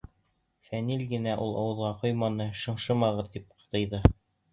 Фәнил генә, ул ауыҙға ҡойманы, шыңшымағыҙ, тип тыйҙы.